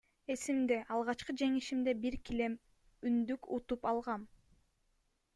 Эсимде, алгачкы жеңишимде бир килем, үндүк утуп алгам.